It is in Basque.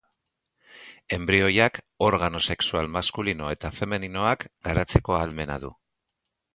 Enbrioiak organo sexual maskulino eta femeninoak garatzeko ahalmena du.